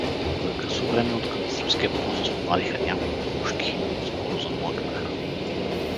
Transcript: За късо време откъм сръбския пост се обадиха няколко пушки, но скоро замлъкнаха.